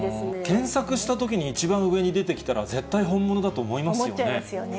検索したときに、一番上に出てきたら、絶対、本物だと思いますよね。